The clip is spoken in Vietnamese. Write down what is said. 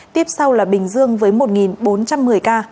tiếp sau là bình dương với một bốn trăm một mươi ca